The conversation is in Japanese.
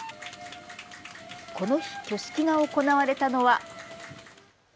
この日、挙式が行われたのは。